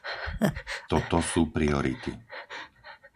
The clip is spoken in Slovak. Toto sú priority.